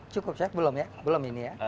cukup saya belum ya belum ini ya